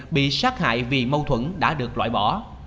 bị sát hại vì mâu thuẫn đã được loại bỏ